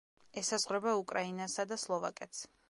ესაზღვრება უკრაინასა და სლოვაკეთს.